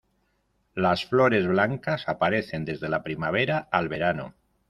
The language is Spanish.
Las flores blancas aparecen desde la primavera al verano.